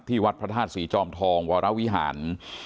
วัดพระธาตุศรีจอมทองวรวิหาร